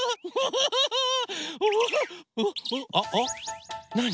あっなに？